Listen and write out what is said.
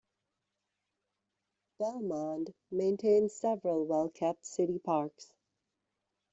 Belmond maintains several well-kept city parks.